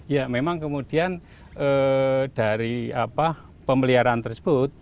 ya memang kemudian dari pemeliharaan tersebut